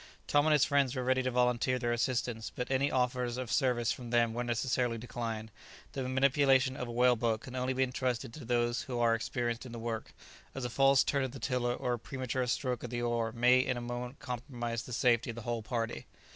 Tom and his friends were ready to volunteer their assistance, but any offers of service from them were necessarily declined; the manipulation of a whale boat can only be entrusted to those who are experienced in the work, as a false turn of the tiller or a premature stroke of the oar may in a moment compromise the safety of the whole party.